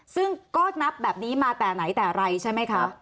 ซึ่งก็นับแบบนี้มาแต่ไหนแต่ไรใช่ไหมคะ